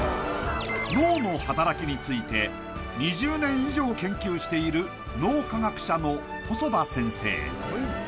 脳の働きについて２０年以上研究している脳科学者の細田先生